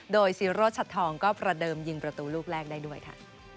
โดยซีโรชัดทองก็ประเดิมยิงประตูลูกแรกได้ด้วยค่ะ